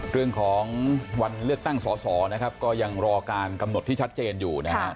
เรื่องของวันเลือกตั้งสอสอนะครับก็ยังรอการกำหนดที่ชัดเจนอยู่นะครับ